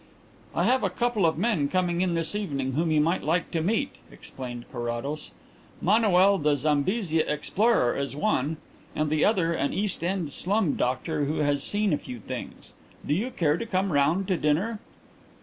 "I have a couple of men coming in this evening whom you might like to meet," explained Carrados. "Manoel the Zambesia explorer is one and the other an East End slum doctor who has seen a few things. Do you care to come round to dinner?"